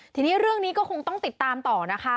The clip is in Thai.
ทีนี้เรื่องนี้ก็คงต้องติดตามต่อนะคะ